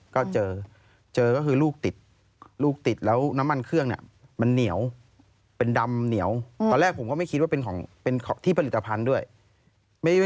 ของคุณนี่นานแค่ไหนออกอาการครับ